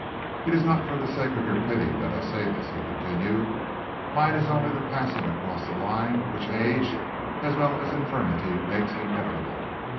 "It is not for the sake of your pity that I say this," he continued. "Mine is only the passing across the line which age as well as infirmity makes inevitable.